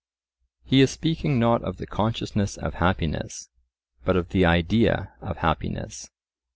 He is speaking not of the consciousness of happiness, but of the idea of happiness.